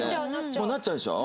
もうなっちゃうでしょ？